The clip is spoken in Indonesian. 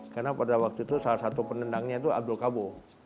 karena pada waktu itu salah satu penendangnya itu abdul kabo